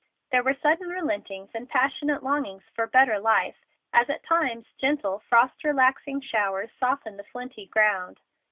There were sudden relentings and passionate longings for better life, as at times gentle, frost relaxing showers soften the flinty ground.